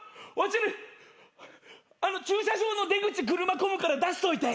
駐車場の出口車混むから出しといて。